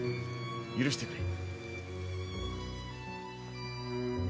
許してくれ。